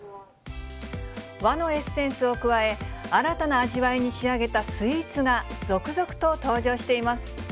和のエッセンスを加え、新たな味わいに仕上げたスイーツが続々と登場しています。